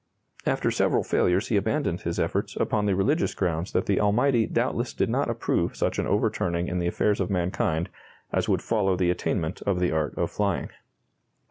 After several failures he abandoned his efforts upon the religious grounds that the Almighty doubtless did not approve such an overturning in the affairs of mankind as would follow the attainment of the art of flying.